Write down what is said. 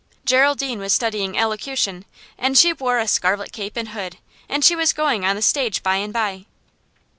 Geraldine was studying elocution, and she wore a scarlet cape and hood, and she was going on the stage by and by.